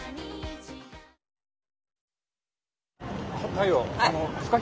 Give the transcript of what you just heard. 太陽。